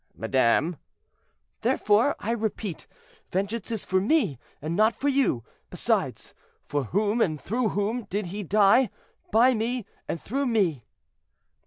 '" "Madame—" "Therefore, I repeat, vengeance is for me, and not for you; besides, for whom and through whom did he die? By me and through me."